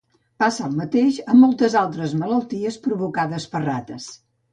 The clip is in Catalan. Passa el mateix amb moltes altres malalties provocades per rates.